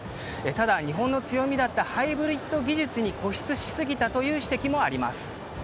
ただ、日本の強みだったハイブリッド技術に固執しすぎたという指摘もあります。